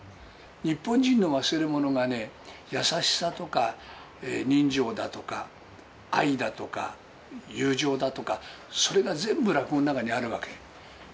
日本人の忘れ物が優しさとか人情だとか愛だとか友情だとか、それが全部落語の中にあるわけ。